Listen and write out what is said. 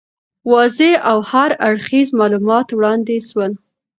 واضح او هر اړخیز معلومات وړاندي سول.